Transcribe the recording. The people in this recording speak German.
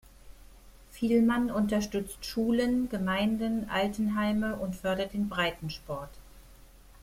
Fielmann unterstützt Schulen, Gemeinden, Altenheime und fördert den Breitensport.